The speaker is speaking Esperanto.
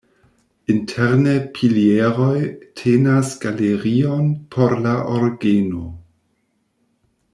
Interne pilieroj tenas galerion por la orgeno.